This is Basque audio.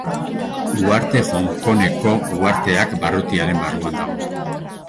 Uharte Hong Kongeko uharteak barrutiaren barruan dago.